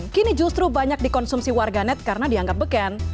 kini justru banyak dikonsumsi warga net karena dianggap beken